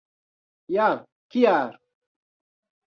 Ja kial?